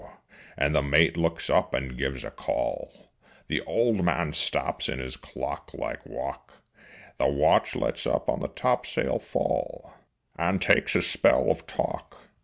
And the mate looks up and gives a call, The old man stops in his clock like walk, The watch lets up on the top sail fall And takes a spell of talk.